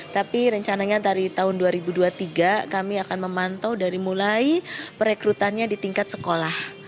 tapi rencananya dari tahun dua ribu dua puluh tiga kami akan memantau dari mulai perekrutannya di tingkat sekolah